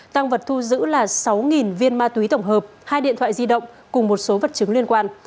tăng vật thu giữ là sáu viên ma túy tổng hợp hai điện thoại di động cùng một số vật chứng liên quan